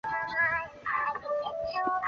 鬼将棋是一种日本将棋变体。